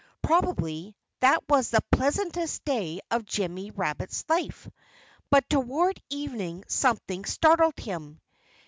Probably that was the pleasantest day of Jimmy Rabbit's life. But toward evening something startled him.